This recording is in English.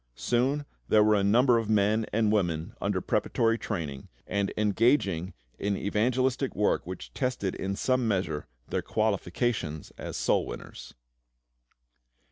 Soon there were a number of men and women under preparatory training, and engaging in evangelistic work which tested in some measure their qualifications as soul winners.